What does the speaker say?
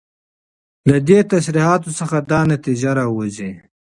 له دي تصريحاتو څخه دا نتيجه راوځي